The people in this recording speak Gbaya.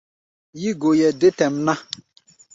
Yí-goeʼɛ dé tɛʼm ná.